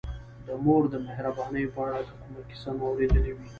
د مور د مهربانیو په اړه که کومه کیسه مو اورېدلې وي.